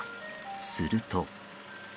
すると。